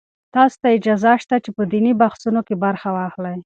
تاسو ته اجازه شته چې په دیني بحثونو کې برخه واخلئ.